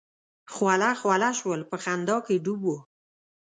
خوله خوله شول په خندا کې ډوب وو.